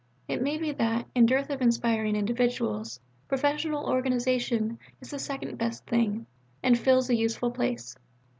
It may be that, in dearth of inspiring individuals, professional organization is the second best thing, and fills a useful place.